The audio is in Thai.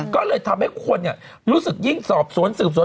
ก็เลยทำให้คนรู้สึกยิ่งสอบสวนสืบสวน